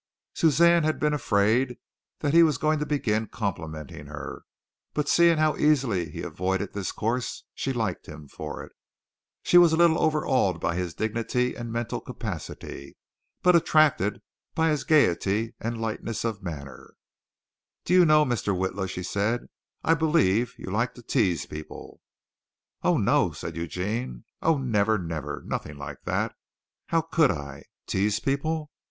Suzanne had been afraid that he was going to begin complimenting her, but seeing how easily he avoided this course she liked him for it. She was a little overawed by his dignity and mental capacity, but attracted by his gaiety and lightness of manner. "Do you know, Mr. Witla," she said, "I believe you like to tease people." "Oh, no!" said Eugene. "Oh, never, never! Nothing like that. How could I? Tease people!